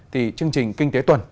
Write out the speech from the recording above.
thì chương trình kinh tế tuần